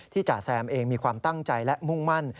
จ่าแซมเองมีความตั้งใจและมุ่งมั่น